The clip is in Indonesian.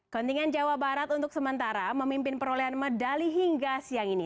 kontingen jawa barat untuk sementara memimpin perolehan medali hingga siang ini